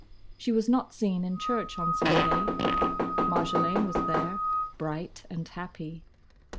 She was not seen in church on Sunday. Marjolaine was there, bright and happy.